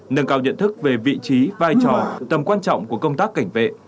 nâng cao nhận thức về vị trí vai trò tầm quan trọng của công tác cảnh vệ